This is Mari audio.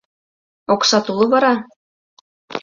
Оксат уло вара?